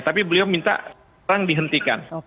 tapi beliau minta perang dihentikan